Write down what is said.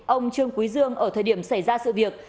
ông trương quý dương ở thời điểm xảy ra sự việc